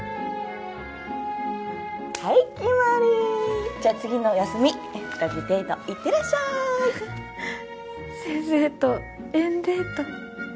はい決まりじゃあ次の休み２人でデート行ってらっしゃい先生と園デート